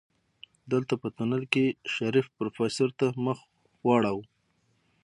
دلته په تونل کې شريف پروفيسر ته مخ واړوه.